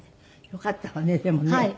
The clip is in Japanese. よかったわねでもね。